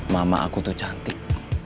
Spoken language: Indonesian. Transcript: mama aku tuh cantik